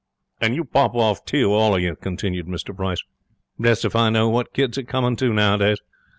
'And you pop off, too, all of you,' continued Mr Bryce. 'Blest if I know what kids are coming to nowadays.